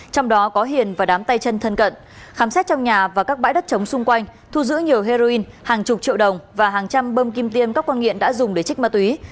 trong đó có hiền và đám tay chân thân cận khám xét trong nhà và các bãi đất trống xung quanh thu giữ nhiều heroin hàng chục triệu đồng và hàng trăm bơm kim tiêm các con nghiện đã dùng để trích ma túy